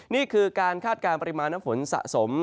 นี่คือการคาดการณ์ปริมาณน้ำฝนสะสม